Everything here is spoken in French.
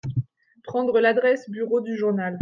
Prendre l'adresse bureau du journal.